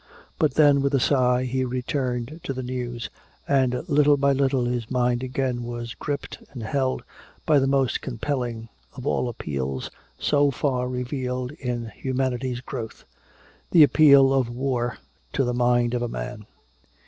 But then with a sigh he returned to the news, and little by little his mind again was gripped and held by the most compelling of all appeals so far revealed in humanity's growth, the appeal of war to the mind of a man.